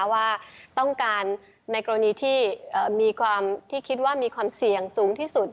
ว่าต้องการในกรณีที่มีความที่คิดว่ามีความเสี่ยงสูงที่สุด